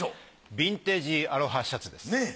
ビンテージアロハシャツです。ねぇ。